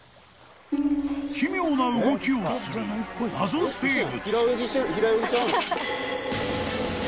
［奇妙な動きをする謎生物］